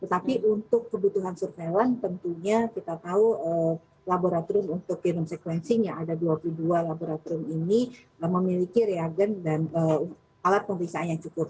tetapi untuk kebutuhan surveillance tentunya kita tahu laboratorium untuk genome sequencing yang ada dua puluh dua laboratorium ini memiliki reagen dan alat pemeriksaan yang cukup